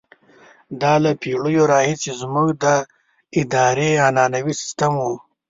دا له پېړیو راهیسې زموږ د ادارې عنعنوي سیستم وو.